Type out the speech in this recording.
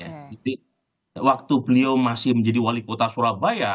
jadi waktu beliau masih menjadi wali kota surabaya